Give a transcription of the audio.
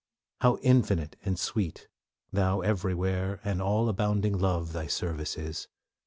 How infinite and sweet, Thou everywhere And all abounding Love, Thy service is!